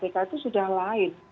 itu sudah lain